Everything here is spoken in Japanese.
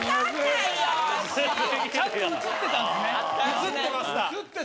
映ってました。